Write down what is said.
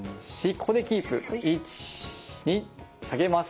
ここでキープ１２下げます。